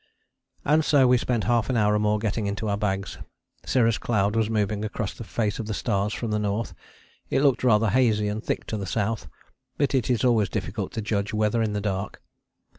And so we spent half an hour or more getting into our bags. Cirrus cloud was moving across the face of the stars from the north, it looked rather hazy and thick to the south, but it is always difficult to judge weather in the dark.